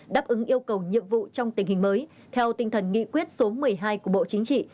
đáp ứng yêu cầu nhiệm vụ trong tình hình mới theo tinh thần nghị quyết số một mươi hai của bộ chính trị